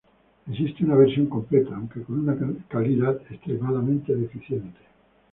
Existe una versión completa, aunque con una calidad extremadamente deficiente.